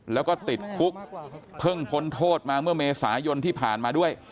แล้วก็ติดคุกเพิ่งพ้นโทษมาเมื่อเมษายนที่ผ่านมาด้วย